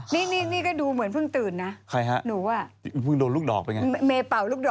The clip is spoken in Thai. มันบอกว่าไม่รู้จริงหรือเทศ